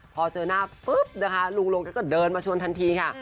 พอเจอหน้าปุ๊บนะคะลุงลงแกก็เดินมาชวนทันทีค่ะ